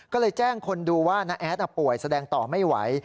ก็เลยแจ้งคนดูว่าน้าแอดป่วยแสดงต่อไม่ไหว